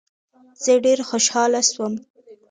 زه ډیر خوشحاله سوم.